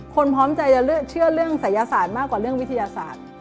พร้อมใจจะเชื่อเรื่องศัยศาสตร์มากกว่าเรื่องวิทยาศาสตร์